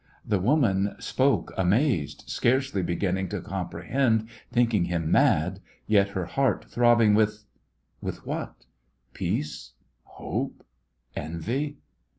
The woman spoke amazed, scarcely beginning to comprehend, thinking him mad, yet her heart throbbing with — with what? peace, hope, envy?